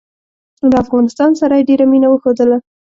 له افغانستان سره یې ډېره مینه وښودله.